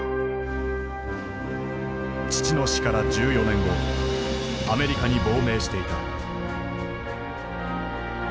父の死から１４年後アメリカに亡命していた。